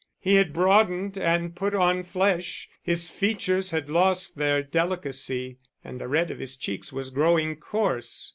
He had broadened and put on flesh, his features had lost their delicacy, and the red of his cheeks was growing coarse.